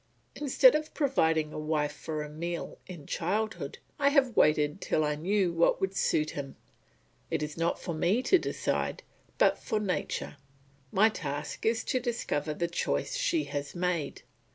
Instead of providing a wife for Emile in childhood, I have waited till I knew what would suit him. It is not for me to decide, but for nature; my task is to discover the choice she has made.